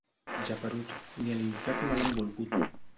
Geperut, ni a l'infern no l'han volgut.